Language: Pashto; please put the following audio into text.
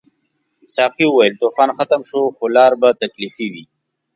ساقي وویل طوفان ختم شو خو لار به تکلیفي وي.